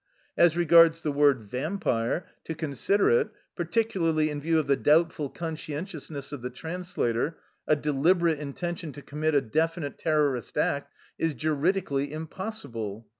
... "As regards the word ^vampire/ to consider it, particularly in view of the doubtful con scientiousness of the translator, a deliberate in tention to commit a definite terrorist act, is juridically impossible.